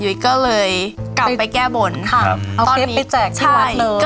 ยุยก็เลยกลับไปแก้บนครับเอาเคพไปแจกที่วัดเลยใช่